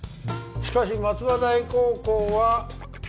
しかし松葉台高校は？